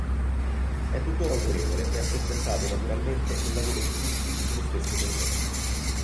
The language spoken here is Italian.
È tuttora autorevole, e ha soppiantato naturalmente il lavoro di Tucci sullo stesso periodo.